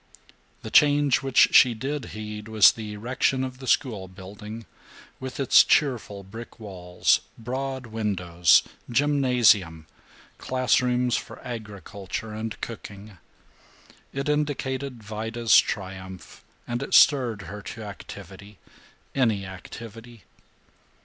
The change which she did heed was the erection of the schoolbuilding, with its cheerful brick walls, broad windows, gymnasium, classrooms for agriculture and cooking. It indicated Vida's triumph, and it stirred her to activity any activity.